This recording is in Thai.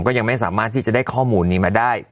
ก็ยังไม่สามารถที่จะได้ข้อมูลนี้มาได้